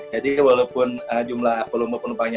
jadi walaupun jumlah penumpangnya